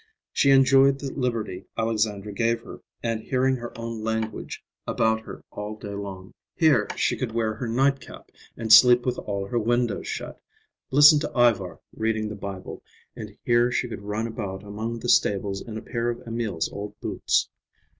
She enjoyed the liberty Alexandra gave her, and hearing her own language about her all day long. Here she could wear her nightcap and sleep with all her windows shut, listen to Ivar reading the Bible, and here she could run about among the stables in a pair of Emil's old boots.